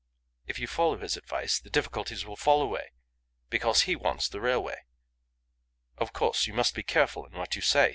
If you follow his advice the difficulties will fall away, because he wants the railway. Of course, you must be careful in what you say.